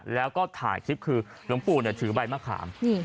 แล้วก็ถ่ายคลิปคือหลวงปู่ถือใบมะขาม